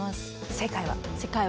正解は？